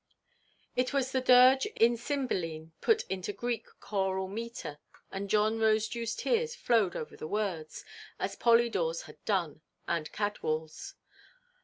It was the dirge in Cymbeline put into Greek choral metre, and John Rosedewʼs tears flowed over the words, as Polydoreʼs had done, and Cadwalʼs.